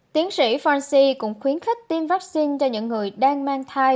tiến sĩ fanci cũng khuyến khích tiêm vaccine cho những người đang mang thai